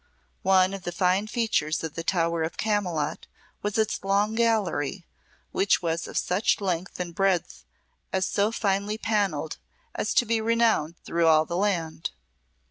One of the fine features of the Tower of Camylott was its Long Gallery, which was of such length and breadth and so finely panelled as to be renowned through all the land.